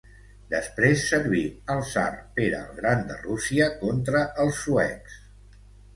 Després servi al tsar Pere el Gran de Rússia contra els suecs.